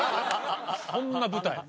そんな舞台。